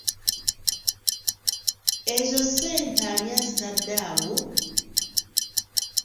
Ezo ssente ani azitadde awo?